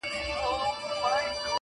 حجره سته طالب یې نسته!.